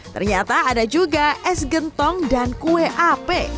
ternyata ada juga es gentong dan kue ape